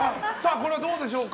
これはどうでしょうか。